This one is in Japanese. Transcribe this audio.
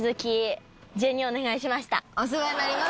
お世話になります。